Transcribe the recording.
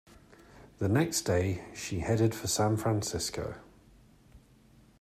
The next day, she headed for San Francisco.